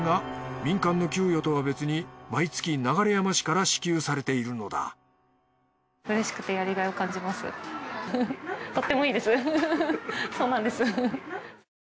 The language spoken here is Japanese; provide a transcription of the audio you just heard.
民間の給与とは別に毎月流山市から支給されているのだそうなんです。